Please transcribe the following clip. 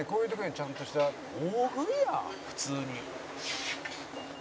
普通に」